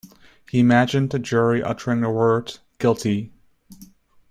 He imagined a jury uttering the word "Guilty."